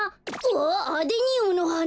あっアデニウムのはな。